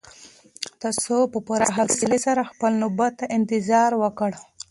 هغه په پوره حوصلي سره خپله نوبت ته انتظار وکړ.